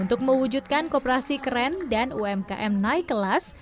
untuk mewujudkan kooperasi keren dan umkm naik kelas